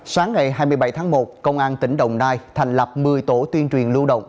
sáng ngày hai mươi bảy tháng một công an tỉnh đồng nai thành lập một mươi tổ tuyên truyền lưu động